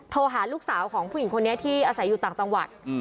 โทรหาลูกสาวของผู้หญิงคนนี้ที่อาศัยอยู่ต่างจังหวัด